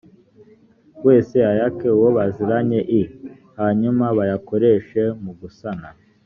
wese ayake uwo baziranye i hanyuma bayakoreshe mu gusana